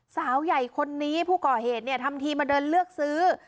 สาวใหญ่คนนี้ผู้ก่อเหตุเนี่ยทำทีมาเดินเลือกซื้อ